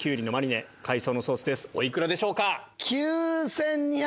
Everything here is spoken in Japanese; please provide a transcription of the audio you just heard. お幾らでしょうか？